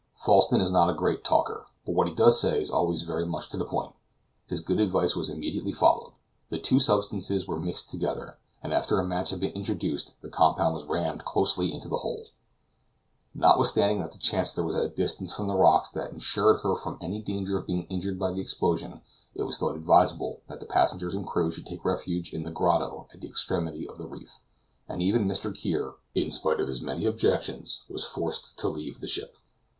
Falsten is not a great talker, but what he does say is always very much to the point. His good advice was immediately followed; the two substances were mixed together, and after a match had been introduced the compound was rammed closely into the hole. Notwithstanding that the Chancellor was at a distance from the rocks that insured her from any danger of being injured by the explosion, it was thought advisable that the passengers and crew should take refuge in the grotto at the extremity of the reef, and even Mr. Kear, in spite of his many objections, was forced to leave the ship.